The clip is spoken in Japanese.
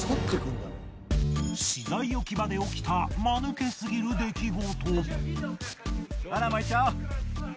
資材置き場で起きたまぬけすぎる出来事。